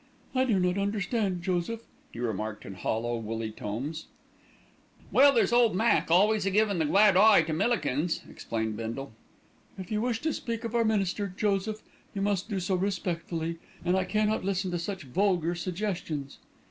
"I do not understand, Joseph," he remarked in hollow, woolly tones. "Well, there's ole Mac, always a givin' the glad eye to Millikins," explained Bindle. "If you wish to speak of our minister, Joseph, you must do so respectfully, and I cannot listen to such vulgar suggestions."